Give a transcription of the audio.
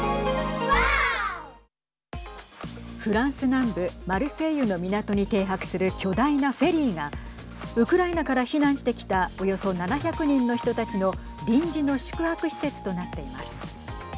フランス南部マルセイユの港に停泊する巨大なフェリーがウクライナから避難してきたおよそ７００人の人たちの臨時の宿泊施設となっています。